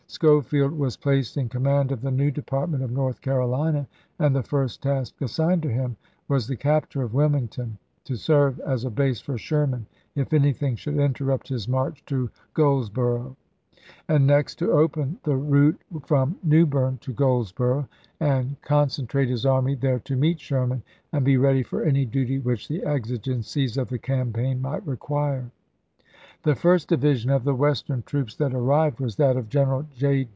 Schofield schoneid, was placed in command of the new department of Apr?3,°i865. North Carolina, and the first task assigned to him was the capture of Wilmington, to serve as a base for Sherman if anything should interrupt his march to Goldsboro'; and next, to open the route from New Berne to Goldsboro', and concen trate his army there to meet Sherman and be ready for any duty which the exigencies of the campaign might require. The first division of the Western troops that ar Feb. 9, 1865. rived was that of General J.